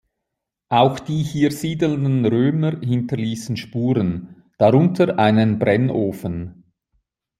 Auch die hier siedelnden Römer hinterließen Spuren, darunter einen Brennofen.